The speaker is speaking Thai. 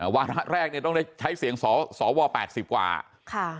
วันแรกต้องได้ใช้เสียงศว๘๐กว่า